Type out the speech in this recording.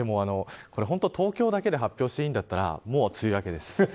東京だけで発表していいんだったらもう梅雨明けです。